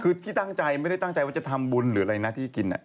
คือที่ตั้งใจไม่ได้ตั้งใจว่าจะทำบุญหรืออะไรนะที่กิน